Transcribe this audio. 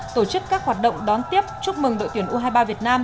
tổ chức các hoạt động đón tiếp chúc mừng đội tuyển u hai mươi ba việt nam